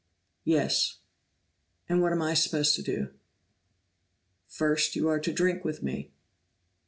"Yes." "And what am I supposed to do?" "First you are to drink with me."